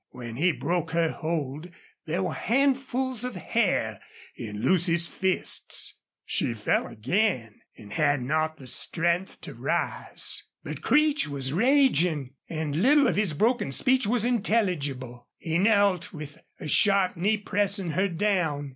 When he broke her hold there were handfuls of hair in Lucy's fists. She fell again and had not the strength to rise. But Creech was raging, and little of his broken speech was intelligible. He knelt with a sharp knee pressing her down.